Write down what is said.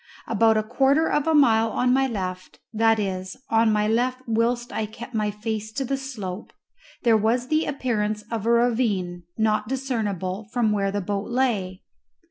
About a quarter of a mile on my left that is, on my left whilst I kept my face to the slope there was the appearance of a ravine not discernible from where the boat lay.